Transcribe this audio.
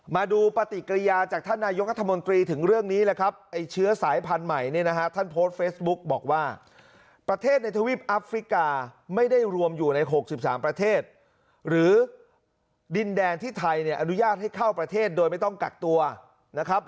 มาดูปฏิกิริยาจากท่านนายกรัฐมนตรีถึงเรื่องนี้แหละครับไอ้เชื้อสายพันธุ์ใหม่เนี่ยนะฮะท่านโพสต์เฟซบุ๊กบอกว่าประเทศในทวีปอัฟริกาไม่ได้รวมอยู่ใน๖๓ประเทศหรือดินแดนที่ไทยเนี่ยอนุญาตให้เข้าประเทศโดยไม่ต้องกักตัวนะครับ